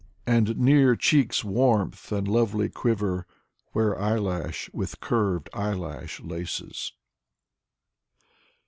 And near cheeks' warmth, and lovely quiver Where eyelash with curved eyelash laces.